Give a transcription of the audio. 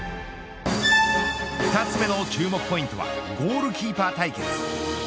２つ目の注目ポイントはゴールキーパー対決。